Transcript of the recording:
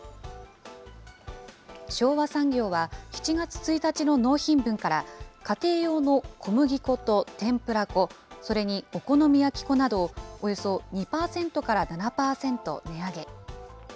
昭和産業は、７月１日の納品分から家庭用の小麦粉と天ぷら粉、それにお好み焼き粉など、およそ２％から７％値上げ。